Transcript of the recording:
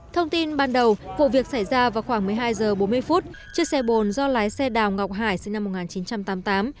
thông tin ban đầu vụ việc xảy ra vào khoảng một mươi hai h bốn mươi phút chiếc xe bồn do lái xe đào ngọc hải sinh năm một nghìn chín trăm tám mươi tám